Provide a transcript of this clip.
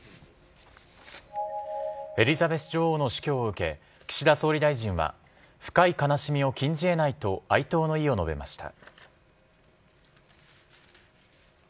エリザベス女王の死去を受け岸田総理大臣は深い悲しみを禁じ得ないと哀悼の意を述べました。